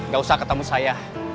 gak usah ketemu saya